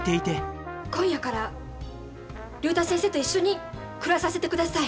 今夜から竜太先生と一緒に暮らさせてください！